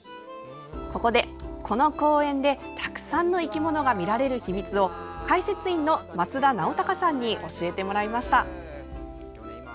ここで、この公園でたくさんの生き物が見られる秘密を解説員の松田直孝さんに教えてもらいました。